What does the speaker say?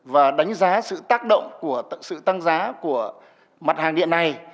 và đánh giá sự tác động của sự tăng giá của mặt hàng điện này